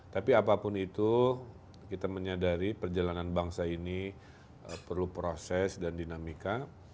tapi apapun itu kita menyadari perjalanan bangsa ini perlu proses dan dinamika